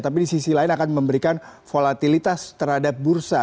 tapi di sisi lain akan memberikan volatilitas terhadap bursa